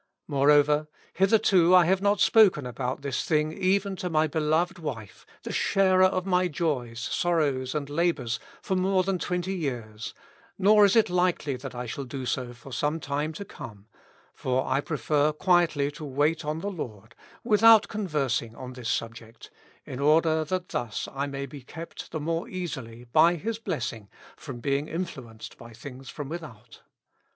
Moreover, hitherto I have not spoken about this thing even to my beloved vi ife, the sharer of my joys, sorrows and labors for more than twenty years ; nor is it likely that I shall do so for some time to come ; for I prefer quietly to wait on the I,ord, without conversing on this subject, in order that thus I may be kept the more easily, by His bless ing, from being influenced by things from without.